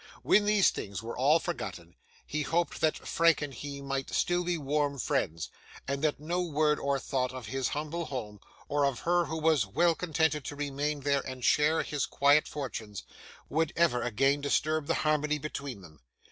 When these things were all forgotten, he hoped that Frank and he might still be warm friends, and that no word or thought of his humble home, or of her who was well contented to remain there and share his quiet fortunes, would ever again disturb the harmony between them.